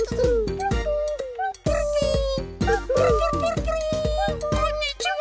こんにちは。